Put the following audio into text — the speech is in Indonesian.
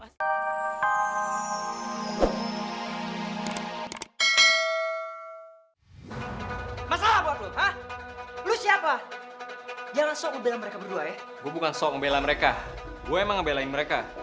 sampai jumpa di video selanjutnya